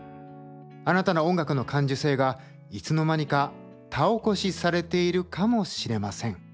あなたの音楽の感受性がいつの間にか田起こしされているかもしれません。